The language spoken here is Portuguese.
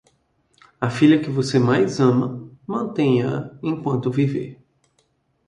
A filha que você mais ama, mantenha-a enquanto viver.